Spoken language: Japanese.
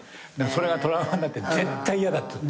それがトラウマになって絶対やだっていう。